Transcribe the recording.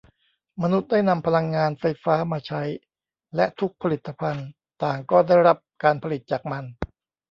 มนุษย์ได้นำพลังงานไฟฟ้ามาใช้และทุกผลิตภัณฑ์ต่างก็ได้รับการผลิตจากมัน